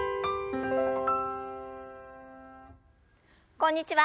こんにちは